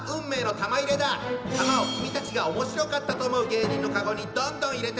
玉を君たちがおもしろかったと思う芸人のカゴにどんどん入れてね！